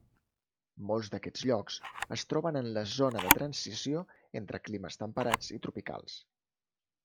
Molts d'aquests llocs es troben en la zona de transició entre climes temperats i tropicals.